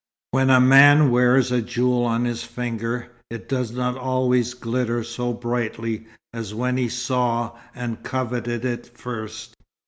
"When a man wears a jewel on his finger, it does not always glitter so brightly as when he saw and coveted it first."